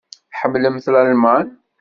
Tḥemmlemt Lalman?